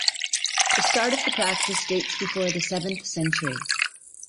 The start of the practice dates before the seventh century.